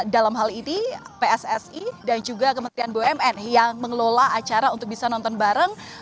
dalam hal ini pssi dan juga kementerian bumn yang mengelola acara untuk bisa nonton bareng